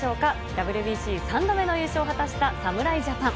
ＷＢＣ３度目の優勝を果たした侍ジャパン。